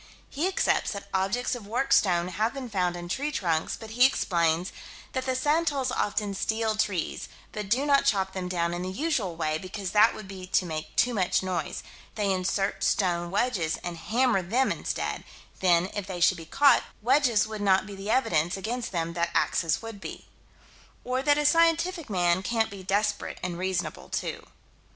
He accepts that objects of worked stone have been found in tree trunks, but he explains: That the Santals often steal trees, but do not chop them down in the usual way, because that would be to make too much noise: they insert stone wedges, and hammer them instead: then, if they should be caught, wedges would not be the evidence against them that axes would be. Or that a scientific man can't be desperate and reasonable too.